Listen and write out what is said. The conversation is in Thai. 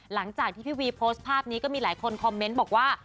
หลังจากที่พี่วีโพสต์ภาพนี้ก็มีหลายคนคอมเมนต์บอกว่า